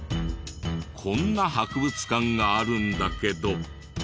こんな博物館があるんだけど。